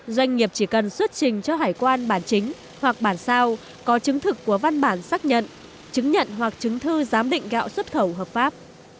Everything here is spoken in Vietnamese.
doanh nghiệp chỉ cần xuất trình cho hải quan bản chính hoặc bản sao có chứng thực của văn bản xác nhận chứng nhận hoặc chứng thư giám định gạo xuất khẩu hợp pháp